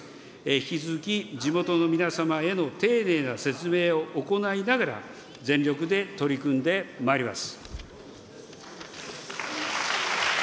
引き続き地元の皆様への丁寧な説明を行いながら、全力で取り組んでまいります。